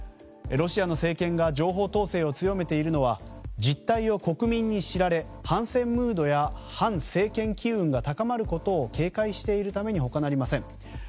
ロシアの政権が情報統制を強めているのは実態を国民に知られ反戦ムードや反政権機運が高まることを警戒しているためにほかなりません。